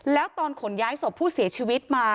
แล้วตอนขนย้ายศพผู้เสียชีวิตมา